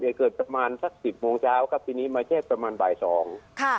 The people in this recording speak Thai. ไอ้เกิดประมาณสักสิบโมงเจ้าครับทีนี้มาเท็กประมาณบ่ายสอง